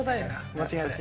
間違いなく。